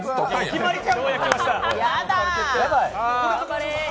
決まりか。